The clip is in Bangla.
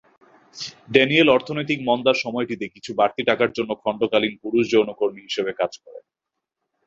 ডেনিয়েল অর্থনৈতিক মন্দার সময়টিতে কিছু বাড়তি টাকার জন্য খণ্ডকালীন পুরুষ-যৌনকর্মী হিসেবে কাজ করেন।